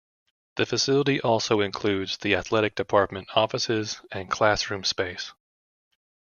The facility also includes the athletic department offices and classroom space.